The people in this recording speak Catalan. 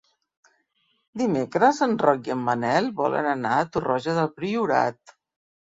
Dimecres en Roc i en Manel volen anar a Torroja del Priorat.